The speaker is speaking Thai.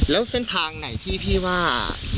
แล้วเส้นทางไหนที่พี่ว่า